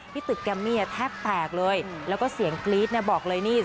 ตึกแกมมี่แทบแตกเลยแล้วก็เสียงกรี๊ดเนี่ยบอกเลยนี่